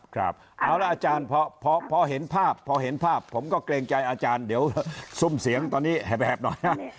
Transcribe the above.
ครับเอาละอาจารย์พอเห็นภาพพอเห็นภาพผมก็เกรงใจอาจารย์เดี๋ยวซุ่มเสียงตอนนี้แหบหน่อยนะ